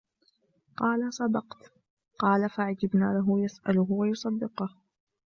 قالَ: صَدَقْتَ. قالَ: فَعَجِبْنا لَهُ، يَسْأَلُهُ وَيُصَدِّقُهُ.